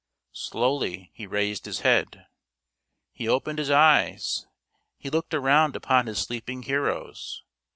Slowly he raised his head ; he opened his eyes ; he looked around upon his sleeping heroes.